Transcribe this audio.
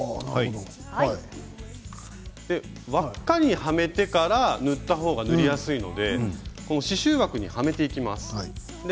輪っかにはめてから塗った方が塗りやすいので刺しゅう枠に、はめてください。